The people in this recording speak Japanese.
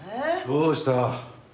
どうした？